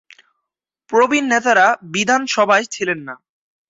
প্রবীণ নেতারা বিধানসভায় ছিলেন না।